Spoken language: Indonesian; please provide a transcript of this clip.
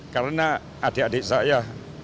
karena adik adik saya